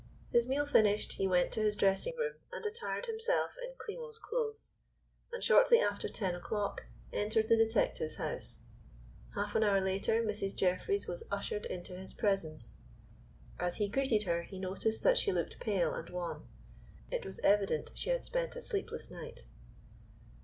His meal finished, he went to his dressing room and attired himself in Klimo's clothes, and shortly after ten o'clock entered the detective's house. Half an hour later Mrs. Jeffreys was ushered into his presence. As he greeted her he noticed that she looked pale and wan. It was evident she had spent a sleepless night.